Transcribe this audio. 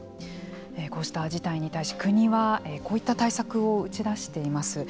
こうした事態に対し国はこういった対策を打ち出しています。